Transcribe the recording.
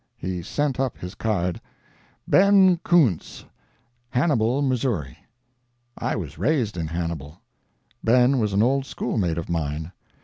He sent up his card. 'Ben Koontz, Hannibal, Mo.' I was raised in Hannibal. Ben was an old schoolmate of mine.